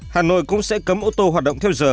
hà nội cũng sẽ cấm ô tô hoạt động theo giờ